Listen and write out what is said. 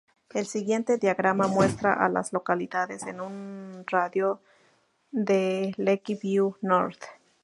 El siguiente diagrama muestra a las localidades en un radio de de Lakeview North.